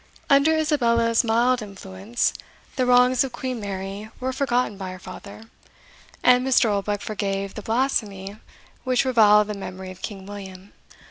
Under Isabella's mild influence, the wrongs of Queen Mary were forgotten by her father, and Mr. Oldbuck forgave the blasphemy which reviled the memory of King William.